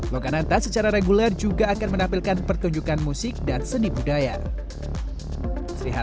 lokananta secara reguler juga akan menampilkan pertunjukan musik dan seni budaya